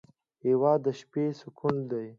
هېواد د شپې سکون دی.